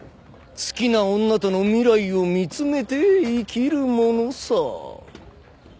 好きな女との未来を見詰めて生きるものさ。